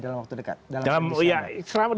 dalam waktu dekat dalam kondisi yang lain